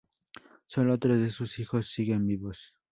Sólo tres de sus hijos siguen vivos.